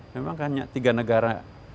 memang hanya tiga negara